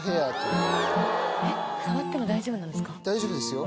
触っても大丈夫なんですか？